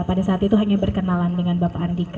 pada saat itu hanya berkenalan dengan ibu anissa